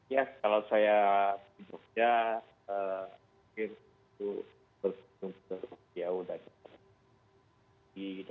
ya kalau saya berbicara